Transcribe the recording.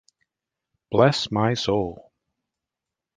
Bless my soul!